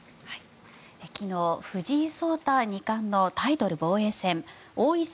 昨日、藤井聡太二冠のタイトル防衛戦王位戦